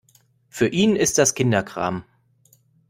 Für ihn ist das Kinderkram.